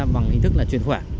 hình thức là truyền khỏe